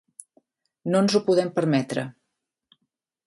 No ens ho podem permetre.